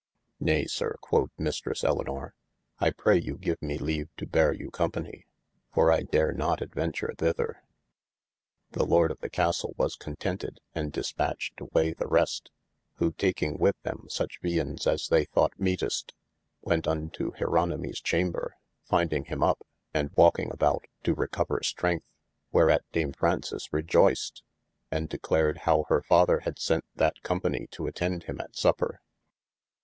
Naye syr quod Mistresse Elinor, I pray you give me leave to beare you company, for I dare not adventure thither. The Lorde of the Castle was contented & dispatched awaye the rest : who taking with them such viandes as they thought meetest, went unto Jeronimies chamber, fynding him up, and walking about to recover strength : whereat Dame Fraunces rejoysed, and declared how her Father had sente that company to attend him at supper.